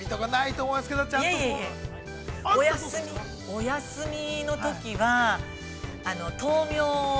お休みのときは、豆苗を。